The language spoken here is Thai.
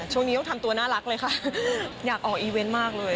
ช่วงนี้ต้องทำตัวน่ารักเลยค่ะอยากออกอีเวนต์มากเลย